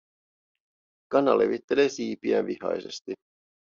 Kana levittelee siipiään vihaisesti.